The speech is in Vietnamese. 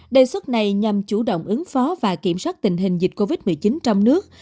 đề xuất này nhằm chủ động ứng phó và kiểm soát tình hình dịch covid một mươi chín trong nước